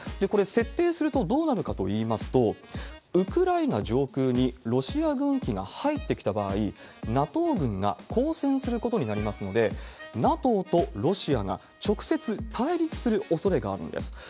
これ、設定するとどうなるかといいますと、ウクライナ上空にロシア軍機が入ってきた場合、ＮＡＴＯ軍が抗戦することになりますので、ＮＡＴＯとロシアが直接対立するおそれがあるんです。